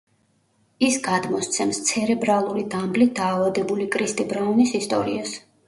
ის გადმოსცემს ცერებრალური დამბლით დაავადებული კრისტი ბრაუნის ისტორიას.